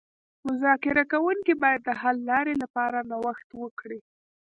مذاکره کوونکي باید د حل لارې لپاره نوښت وکړي